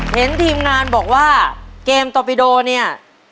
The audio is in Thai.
เห็นทีมงานบอกว่าเกมต่อปิโดเนี่ย